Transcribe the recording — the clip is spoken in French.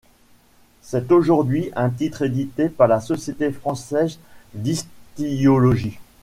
C'est aujourd'hui un titre édité par la Société française d'ichtyologie.